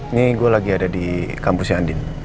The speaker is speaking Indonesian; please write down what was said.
ini gue lagi ada di kampusnya andin